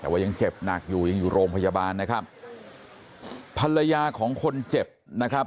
แต่ว่ายังเจ็บหนักอยู่ยังอยู่โรงพยาบาลนะครับภรรยาของคนเจ็บนะครับ